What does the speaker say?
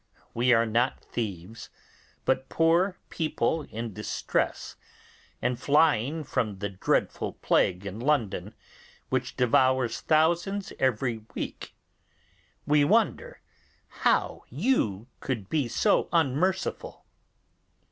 We are not thieves, but poor people in distress, and flying from the dreadful plague in London, which devours thousands every week. We wonder how you could be so unmerciful!